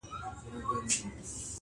د بلبلکو له سېلونو به وي ساه ختلې!!